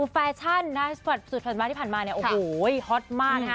ฟาชั่นสตรวจสุดฟันบ้านที่ผ่านมาเนี่ยโอ้โหฮอตมากฮะ